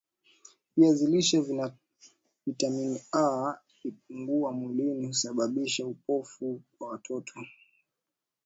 viazi lishe vina vitamin A ikipungua mwilini husababisha upofu kwa watoto